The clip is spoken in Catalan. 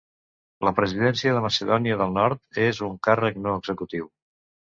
La Presidència de Macedònia del Nord és un càrrec no executiu.